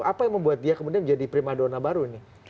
apa yang membuat dia kemudian menjadi primadona baru ini